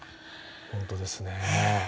本当ですね。